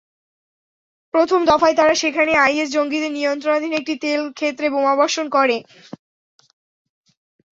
প্রথম দফায় তারা সেখানে আইএস জঙ্গিদের নিয়ন্ত্রণাধীন একটি তেল ক্ষেত্রে বোমাবর্ষণ করে।